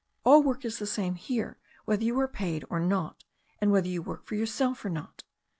All work is the same here whether you are paid or not and whether you work for yourself or not.